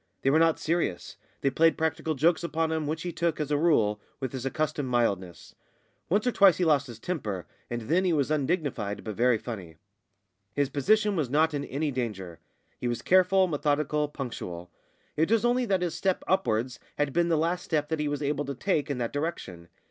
They were not serious; they played practical jokes upon him, which he took, as a rule, with his accustomed mildness; once or twice he lost his temper, and then he was undignified but very funny. His position was not in any danger. He was careful, methodical, punctual. It was only that his step upwards had been the last step that he was able to take in that direction.